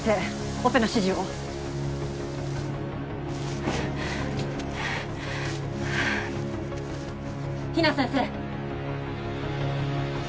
オペの指示を比奈先生